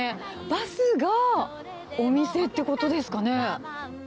バスがお店ってことですかね。